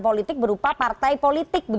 politik berupa partai politik